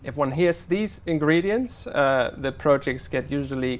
dành thời gian đủ